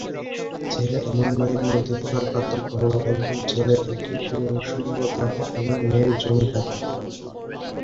ছেলে এবং মেয়ের মধ্যে প্রধান পার্থক্য হল একজন ছেলের একটি পুরুষাঙ্গ থাকে এবং মেয়ের যোনি থাকে।